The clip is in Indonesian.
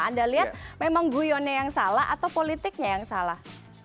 anda lihat memang guyonnya yang salah atau politiknya yang salah